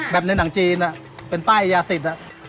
แบบในหนังจีนเป็นป้ายยาศิษย์